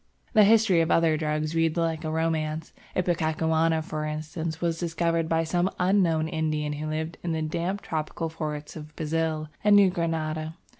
The history of other drugs reads like a romance. Ipecacuanha, for instance, was discovered by some unknown Indian who lived in the damp tropical forests of Brazil and New Granada.